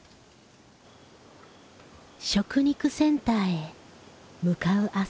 食肉センターへ向かう朝。